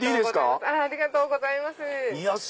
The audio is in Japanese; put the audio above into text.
ありがとうございます。